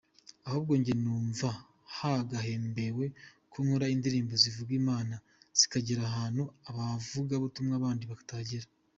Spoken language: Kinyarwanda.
Ahubwo njye numva nagahembewe ko nkora indirimbo zivuga Imana zikagera ahantu abavugabutumwa bandi batagera.